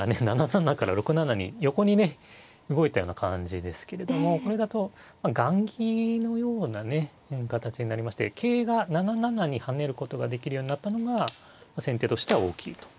７七から６七に横にね動いたような感じですけれどもこれだと雁木のようなね形になりまして桂が７七に跳ねることができるようになったのが先手としては大きいと。